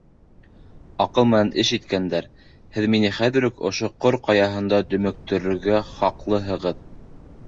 Аҡыл менән эш иткәндәр! һеҙ мине хәҙер үк, ошо Ҡор Ҡаяһында, дөмөктөрөргә хаҡлыһығыҙ.